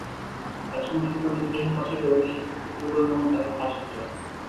একসময় Sultan Ibrahim পাশাকে অবিশ্বাস করতে শুরু করেন এবং তাঁকে ফাঁসিতে চড়ান।